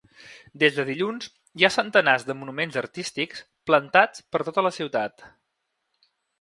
Des de dilluns hi ha centenars de monuments artístics ‘plantats’ per tota la ciutat.